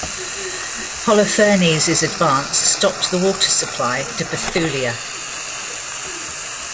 Holofernes's advance stopped the water supply to Bethulia.